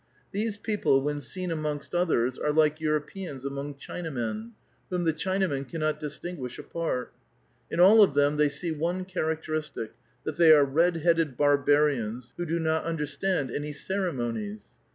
These people when seen amongst others, are like Europeans among Cliinamen, whom the Chinamen cannot distingdish apart. In all of them they see one cliaracteristic, that thej are "red headed barbarians, who do not understand any ceremonies."